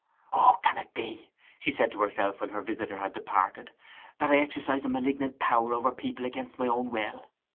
'O, can it be,' she said to herself, when her visitor had departed, 'that I exercise a malignant power over people against my own will?